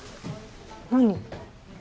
何？